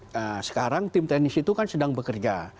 nah sekarang tim teknis itu kan sedang bekerja